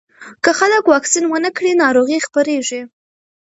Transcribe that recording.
که خلک واکسین ونه کړي، ناروغي خپرېږي.